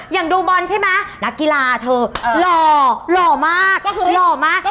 ดูบอลใช่ไหมนักกีฬาเธอหล่อหล่อมากก็คือหล่อมาก